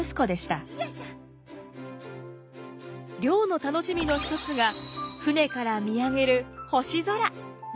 漁の楽しみの一つが船から見上げる星空。